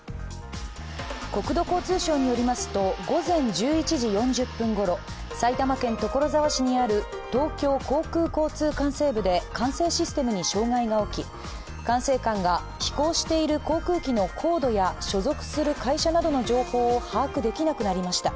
国土交通省によりますと午前１１時４０分ごろ、埼玉県所沢市にある東京航空交通管制部で管制システムに障害が起き管制官が飛行している航空機の高度や所属する会社などの情報を把握できなくなりました。